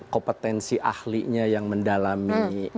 kompetensi ahlinya yang mendalami